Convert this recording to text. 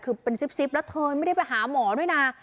คือเป็นซิบแล้วเธอไม่ได้ไปหาหมอด้วยนะ